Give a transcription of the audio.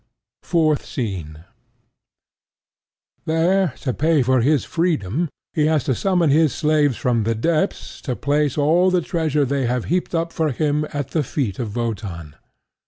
Fourth Scene There, to pay for his freedom, he has to summon his slaves from the depths to place all the treasure they have heaped up for him at the feet of Wotan.